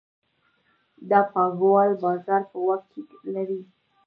دا پانګوال بازار په واک کې لري